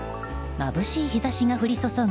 まぶしい日差しが降り注ぐ